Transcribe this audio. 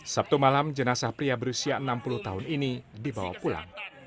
sabtu malam jenazah pria berusia enam puluh tahun ini dibawa pulang